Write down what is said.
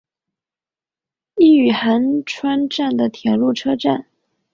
伊予寒川站的铁路车站。